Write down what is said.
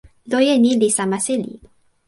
loje ni li sama seli.